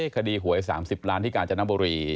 คดีหวย๓๐ล้านที่กาญจนบุรี